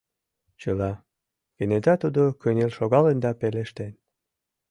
— Чыла! — кенета тудо кынел шогалын да пелештен.